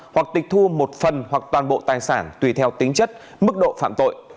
hoặc tịch thu một phần hoặc toàn bộ tài sản tùy theo tính chất mức độ phạm tội